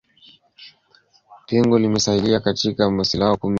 Pengo limesalia kati ya asilimia kumi na tisa hadi thelathini na sita